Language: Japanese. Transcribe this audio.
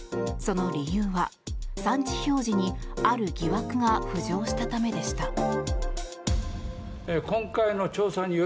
その理由は産地表示にある疑惑が浮上したためでした。